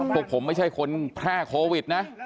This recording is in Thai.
พวกผมไม่ใช่คนแพร่โควิดนะ